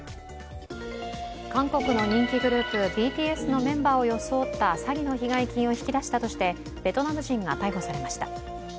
韓国の人気グループＢＴＳのメンバーを装った詐欺の被害金を引き出したとしてベトナム人が逮捕されました。